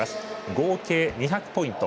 合計２００ポイント。